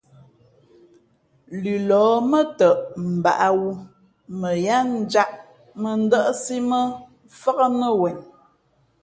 Lʉlɔ̌ mά tαʼ mbǎʼwū mα yáá njāʼ mᾱdάʼsí mά fák nά wen.